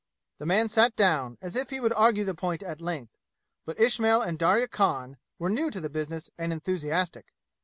The man sat down, as if he would argue the point at length, but Ismail and Darya Khan were new to the business and enthusiastic.